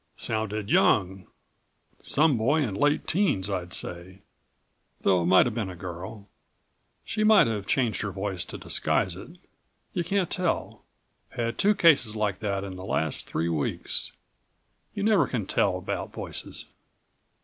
"Sounded young. Some boy in late teens, I'd say. Though it might have been a girl. She might have changed her voice to disguise it. You can't tell. Had two cases like that in the last three weeks. You never can tell about voices."